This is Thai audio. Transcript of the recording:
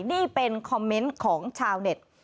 นี่เป็นคอมเมนต์ของชาวเน็ต